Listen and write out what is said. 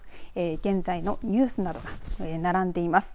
現在のニュースなどが並んでいます。